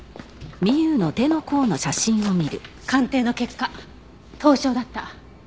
鑑定の結果凍傷だった。